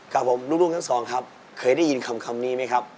ครับผมลูกทั้งสองครับเคยได้ยินคำนี้ไหมครับ